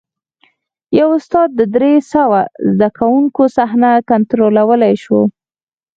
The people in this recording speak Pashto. یوه استاد د درې سوه زده کوونکو صحنه کنټرولولی شوه.